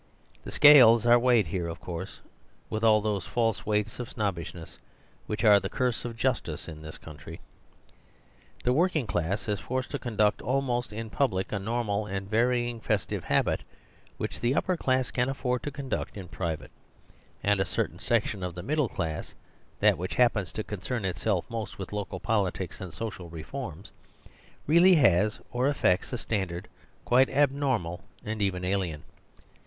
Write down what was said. The scales are weighted here, of course, with all those false weights of snobbishness which are the curse of justice in this country. The working class is forced to conduct almost in public a normal and varying festive habit, which the upper class can afford to conduct in private; and a *The late Cecil Chesterton, in the "New Witness." The Tragedies of Marriage 119 certain section of the middle class, that which happens to concern itself most with local poli tics and social reforms, really has or affects a standard quite abnormal and even alien.